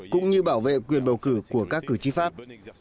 cũng như bảo vệ quyền bầu cử của các cử tri pháp